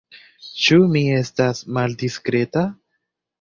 Ĉu mi estas maldiskreta?